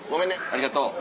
ありがとう。